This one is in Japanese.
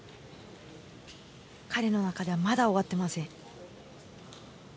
彼の中ではまだ終わっていません。